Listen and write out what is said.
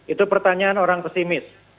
itu pertanyaan orang pesimis